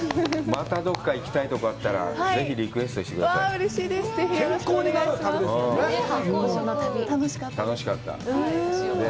また、どこか行きたいところあったらぜひリクエストしてください。